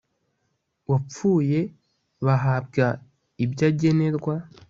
wapfuye bahabwa ibyo agenerwa